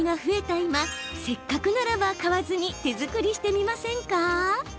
今せっかくならば買わずに手作りしてみませんか？